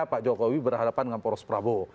pak jokowi berhadapan dengan poros prabowo